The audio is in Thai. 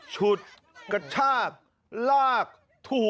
ชุดกระชากรากถู